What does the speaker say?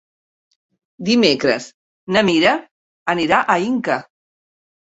Dimecres na Mira anirà a Inca.